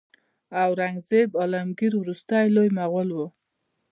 اورنګزیب عالمګیر وروستی لوی مغول و.